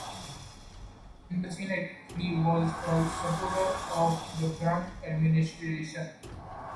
In the Senate he was a supporter of the Grant Administration.